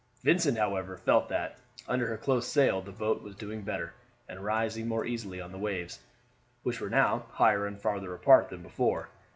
Vincent, however, felt that; under her close sail the boat was doing better, and rising more easily on the waves, which were now higher and farther apart than before.